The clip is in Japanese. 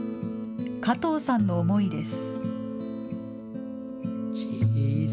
加藤さんの思いです。